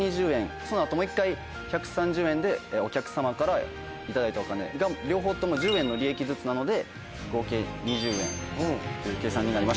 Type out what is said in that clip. その後もう１回１３０円でお客さまから頂いたお金が両方とも１０円の利益ずつなので合計２０円という計算になりました。